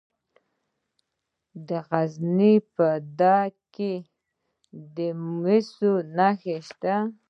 د غزني په ده یک کې د مسو نښې شته.